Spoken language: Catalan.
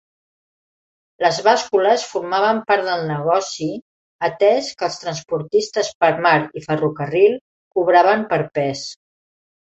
Les bàscules formaven part del negoci, atès que els transportistes per mar i ferrocarril cobraven per pes.